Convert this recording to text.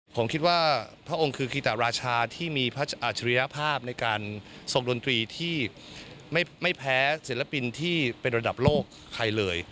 ผมคิดว่าพระองค์คือคิตราชาที่มีพระอาจริยภาพในการทรงดนตรีที่ไม่แพ้ศิลปินที่เป็นระดับโลกใครเลย